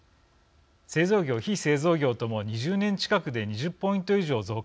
製造業非製造業とも２０年近くで２０ポイント以上増加しました。